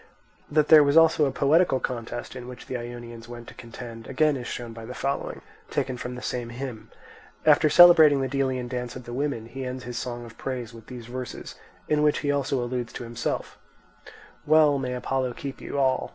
That there was also a poetical contest in which the Ionians went to contend, again is shown by the following, taken from the same hymn. After celebrating the Delian dance of the women, he ends his song of praise with these verses, in which he also alludes to himself: Well, may Apollo keep you all!